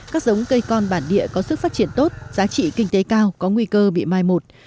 các giống cây con bản địa có sức phát triển tốt giá trị kinh tế cao có nguy cơ bị mai một